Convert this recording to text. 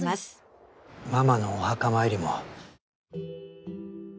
ママのお墓参りも。